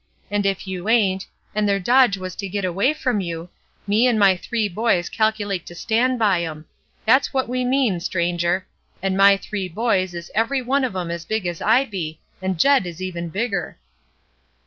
And if you ain't, and their dodge was to git away from you, me and my three boys calculate to stan' by 'em; that's what we mean, stranger. And my three boys is every one of 'em as big as I be, and Jed is even bigger."